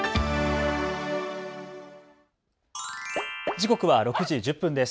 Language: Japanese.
時刻は６時１０分です。